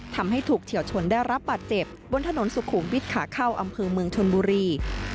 ทำให้ถูกเฉียวชนได้รับบาดเจ็บบนถนนสุขุมวิทย์ขาเข้าอำเภอเมืองชนบุรี